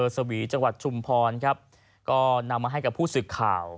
สวีจังหวัดชุมพรครับก็นำมาให้กับผู้สื่อข่าว